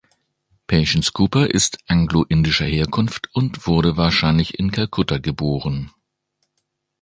Patience Cooper ist anglo-indischer Herkunft und wurde wahrscheinlich in Calcutta geboren.